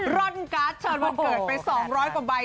ร่อนกัสเชิญวันเกิดไป๒๐๐บาท